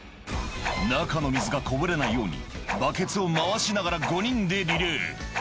中の水がこぼれないように、バケツを回しながら５人でリレー。